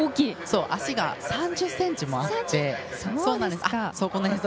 足が３０ｃｍもあって。